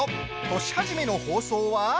年初めの放送は。